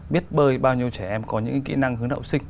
biết bơi bao nhiêu trẻ em có những kỹ năng hướng hậu sinh